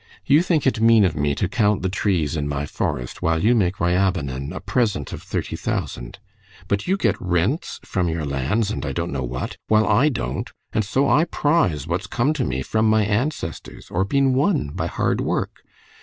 You think it mean of me to count the trees in my forest, while you make Ryabinin a present of thirty thousand; but you get rents from your lands and I don't know what, while I don't and so I prize what's come to me from my ancestors or been won by hard work....